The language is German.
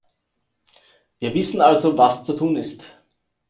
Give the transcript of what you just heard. Wir wissen also, was zu tun ist.